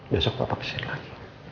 besok bapak kesini lagi